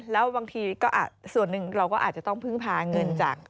แล้วบางทีก็ส่วนหนึ่งเราก็อาจจะต้องพึ่งพาเงินจาก